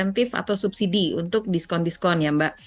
insentif atau subsidi untuk diskon diskon ya mbak